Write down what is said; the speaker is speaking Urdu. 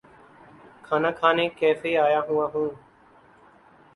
کھانا کھانے کیفے آیا ہوا ہوں۔